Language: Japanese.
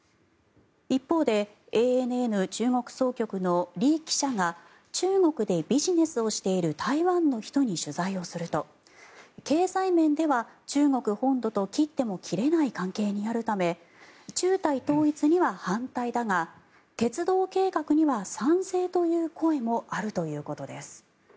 一方で、ＡＮＮ中国総局のリ記者が中国でビジネスをしている台湾の人に取材をすると経済面では中国本土と切っても切れない関係にあるため中台統一には反対だが鉄道計画には賛成という声もあるということです。